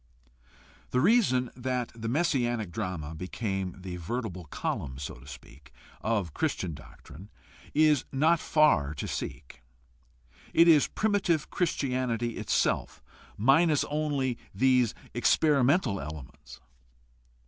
The reason that the messianic drama became the vertebral column, so to speak, of Christian doctrine is not far to seek. It is primitive Christianity itself, minus only these experi mental elements.